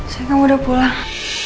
sayang kamu udah pulang